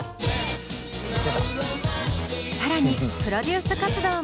更にプロデュース活動も。